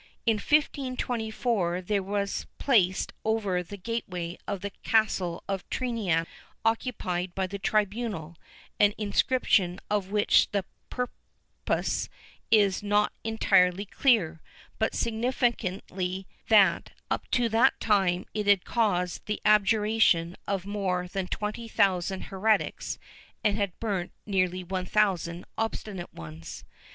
In 1524, there was placed over the gateway of the castle of Triana, occupied by the tribunal, an inscription of which the purport is not entirely clear, but signifying that, up to that time, it had caused the abjuration of more than 20,000 heretics and had burnt nearly 1000 obstinate ones.